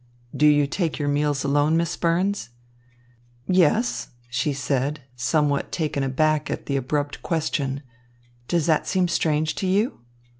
"Do you take your meals alone, Miss Burns?" "Yes," she said, somewhat taken aback at the abrupt question. "Does that seem strange to you?"